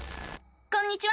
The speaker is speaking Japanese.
こんにちは！